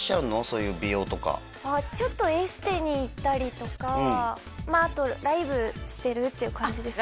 そういう美容とかちょっとエステに行ったりとかまああとライブしてるっていう感じです